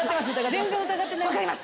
全然疑ってないです。